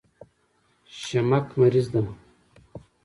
شمک مریض ده